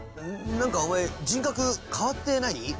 なんかお前人格変わってない？